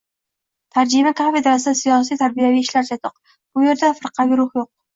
«Tarjima kafedrasida siyosiy-tarbiyaviy ishlar chatoq. Bu yerda firqaviy ruh yo‘q».